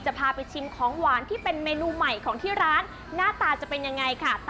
จะพาไปชิมของหวานที่เป็นเมนูใหม่ของที่ร้าน